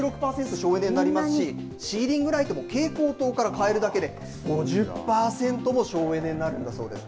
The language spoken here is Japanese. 省エネになりますし、シーリングライトも蛍光灯から変えるだけで、５０％も省エネになるんだそうです。